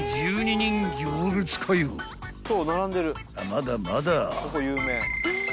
［まだまだ］